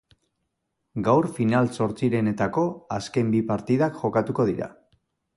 Gaur final-zortzirenetako azken bi partidak jokatuko dira.